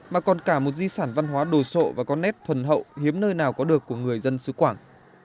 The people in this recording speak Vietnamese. mà còn cả một di sản văn hóa đồ sộ và có nét thuần hậu hiếm nơi nào có được của người dân xứ quảng